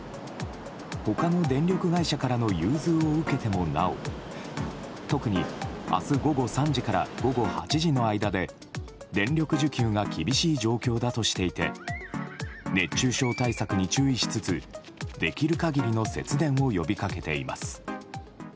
他の電力会社からの融通を受けてもなお特に、明日午後３時から午後８時の間で電力需給が厳しい状況だとしていて熱中症対策に注意しつつできる限りの節電を呼び掛けています。